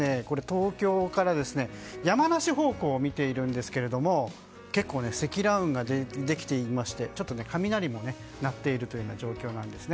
東京から山梨方向を見ているんですが結構、積乱雲ができていまして雷も鳴っているという状況なんです。